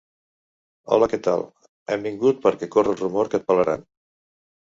Hola què tal, hem vingut perquè corre el rumor que et pelaran!